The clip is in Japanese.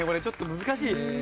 ちょっと難しい。